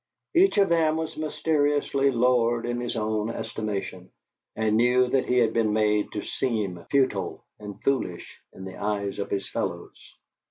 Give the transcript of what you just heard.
Each of them was mysteriously lowered in his own estimation, and knew that he had been made to seem futile and foolish in the eyes of his fellows.